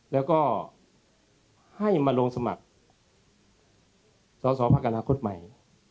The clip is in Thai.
แล้วก็ให้มาลงสมัครสอสอพักอนาคตใหม่